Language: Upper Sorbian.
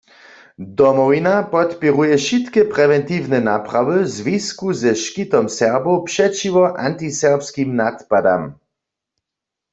Domowina podpěruje wšitke prewentiwne naprawy w zwisku ze škitom Serbow přećiwo antiserbskim nadpadam.